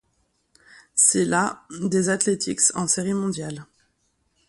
C'est la des Athletics en Série mondiale.